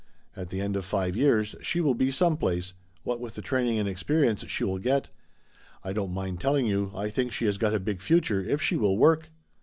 At the end of five years she will be some place, what with the training and experience she will get. I don't mind telling you, I think she has got a big future if she will work."